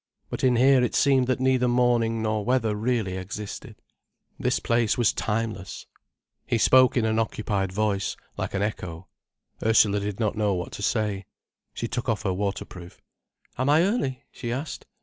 But in here it seemed that neither morning nor weather really existed. This place was timeless. He spoke in an occupied voice, like an echo. Ursula did not know what to say. She took off her waterproof. "Am I early?" she asked.